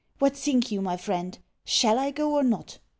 What think you, my friend? Shall I go or not?